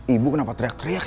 ibu kenapa teriak teriak